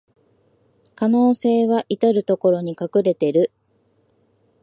可能性はいたるところに隠れてる